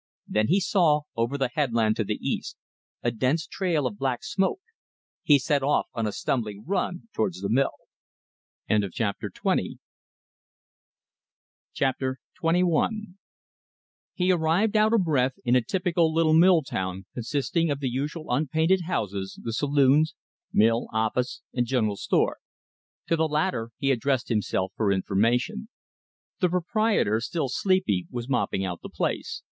Then he saw, over the headland to the east, a dense trail of black smoke. He set off on a stumbling run towards the mill. Chapter XXI He arrived out of breath in a typical little mill town consisting of the usual unpainted houses, the saloons, mill, office, and general store. To the latter he addressed himself for information. The proprietor, still sleepy, was mopping out the place.